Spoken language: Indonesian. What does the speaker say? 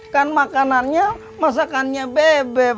kan makanannya masakannya bebep